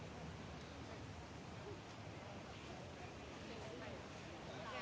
เมื่อเวลาเมื่อเวลาเมื่อเวลาเมื่อเวลา